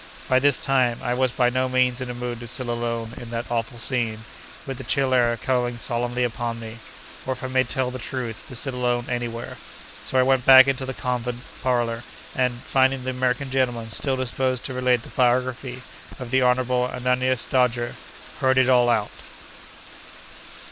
By this time, I was by no means in a mood to sit alone in that awful scene, with the chill air coming solemnly upon me—or, if I may tell the truth, to sit alone anywhere. So I went back into the convent parlour, and, finding the American gentleman still disposed to relate the biography of the Honourable Ananias Dodger, heard it all out.